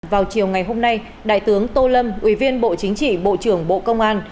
vào chiều ngày hôm nay đại tướng tô lâm ủy viên bộ chính trị bộ trưởng bộ công an